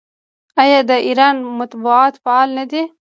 آیا د ایران مطبوعات فعال نه دي؟